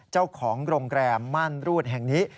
เจ้าของโรงแรมม่านรูดแห่งนี้